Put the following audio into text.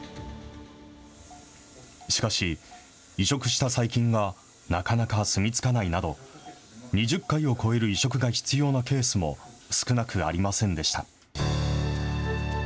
しかし、移植した細菌がなかなか住みつかないなど、２０回を超える移植が必要なケースも少なくありませんでした。